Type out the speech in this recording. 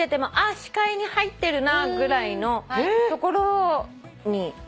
視界に入ってるなぐらいのところに。